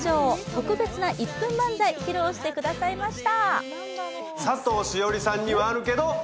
特別な１分漫才披露してくださいました。